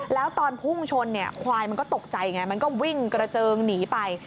แล้วตอนพุ่งชนเนี่ยควายมันก็ตกใจไงมันก็วิ่งกระเจิงหนีไป